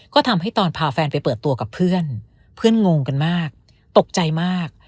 ก็ทำให้ตอนพาแฟนไปเปิดตัวกับเพื่อนเพื่อนงงกันมากตกใจมาก